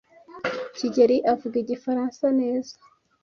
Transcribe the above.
kigeli avuga igifaransa neza